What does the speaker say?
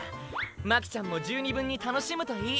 巻ちゃんも十二分に楽しむといい。